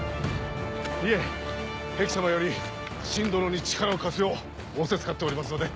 いえ壁様より信殿に力を貸すよう仰せつかっておりますので。